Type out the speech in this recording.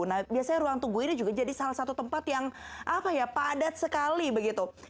nah biasanya ruang tunggu ini juga jadi salah satu tempat yang padat sekali begitu